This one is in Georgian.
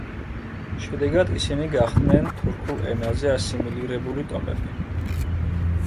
შედეგად ისინი გახდნენ თურქულ ენაზე ასიმილირებული ტომები.